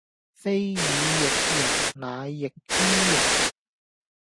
非以役人乃役於人